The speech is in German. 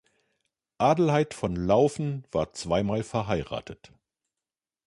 Adelheid von Lauffen war zweimal verheiratet.